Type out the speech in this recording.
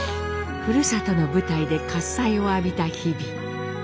ふるさとの舞台で喝采を浴びた日々。